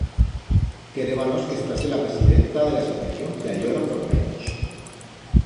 Querébanos que estase la presidenta de l'asociación que allora formemos.